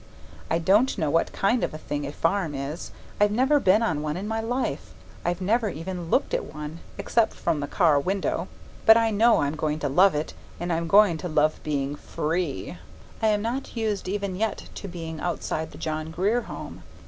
I don't know what kind of a thing a farm is. I've never been on one in my life. I've never even looked at one (except from the car window), but I know I'm going to love it, and I'm going to love being FREE. I am not used even yet to being outside the John Grier Home.